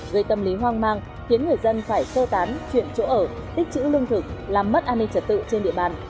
gây tâm lý hoang mang khiến người dân phải sơ tán chuyển chỗ ở tích chữ lương thực làm mất an ninh trật tự trên địa bàn